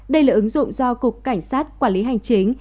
đây là ứng dụng do cục cảnh sát quản lý hành chính